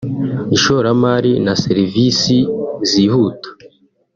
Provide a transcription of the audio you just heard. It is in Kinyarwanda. ishoramari na serivisi zihuta